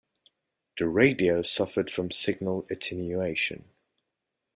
The radio suffered from signal attenuation.